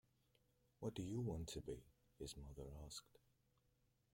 “What do you want to be?” his mother asked.